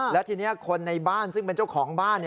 แล้วทีนี้คนในบ้านซึ่งเป็นเจ้าของบ้าน